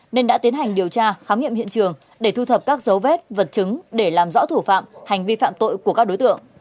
nên đã tiến hành điều tra khám nghiệm hiện trường để thu thập các dấu vết vật chứng để làm rõ thủ phạm hành vi phạm tội của các đối tượng